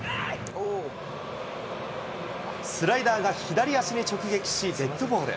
スライダーが左足に直撃し、デッドボール。